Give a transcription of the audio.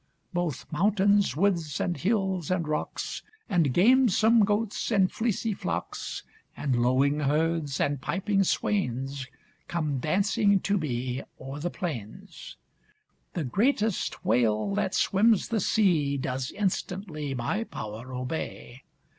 Both mountains, woods, and hills, and rocks And gamesome goats, and fleecy flocks, And lowing herds, and piping swains, Come dancing to me o'er the plains. The greatest whale that swims the sea Does instantly my power obey.